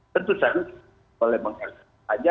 tentu saja kalau memang hanya